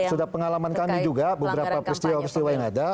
karena sudah pengalaman kami juga beberapa peristiwa peristiwa yang ada